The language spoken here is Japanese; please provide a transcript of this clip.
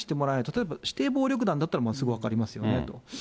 例えば指定暴力団だったら、もうすぐ分かりますよねと。